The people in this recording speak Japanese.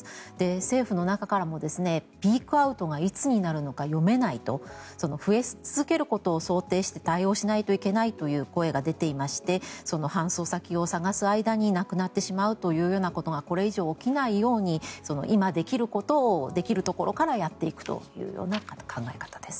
政府の中からもピークアウトがいつになるのか読めないと増え続けることを想定して対応しないといけないという声が出ていまして搬送先を探す間に亡くなってしまうというようなことがこれ以上起きないように今できることをできるところからやっていくというような考え方です。